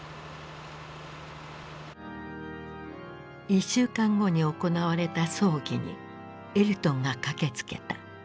１週間後に行われた葬儀にエルトンが駆けつけた。